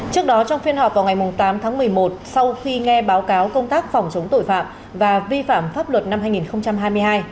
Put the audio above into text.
trước đó trong phiên họp vào ngày tám tháng một mươi một sau khi nghe báo cáo công tác phòng chống tội phạm và vi phạm pháp luật năm hai nghìn hai mươi hai